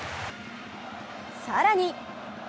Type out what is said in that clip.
更に！